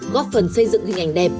góp phần xây dựng hình ảnh đẹp